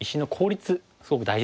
すごく大事ですよね。